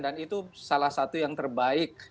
dan itu salah satu yang terbaik